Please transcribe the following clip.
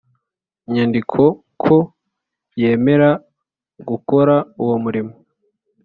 nyandiko ko yemera gukora uwo murimo